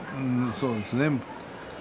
そうですね。